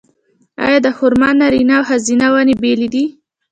آیا د خرما نارینه او ښځینه ونې بیلې دي؟